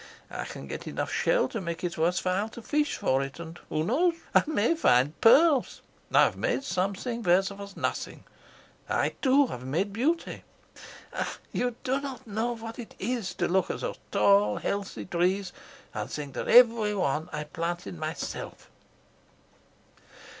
I can get enough shell to make it worth while to fish for it, and, who knows? I may find pearls. I have made something where there was nothing. I too have made beauty. Ah, you do not know what it is to look at those tall, healthy trees and think that every one I planted myself."